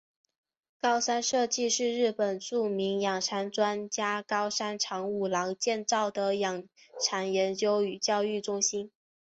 高山社迹是日本著名养蚕专家高山长五郎建造的养蚕研究与教育中心。